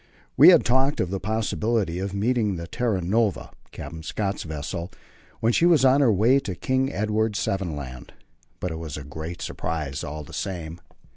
We had talked of the possibility of meeting the Terra Nova Captain Scott's vessel when she was on her way to King Edward VII. Land; but it was a great surprise all the same.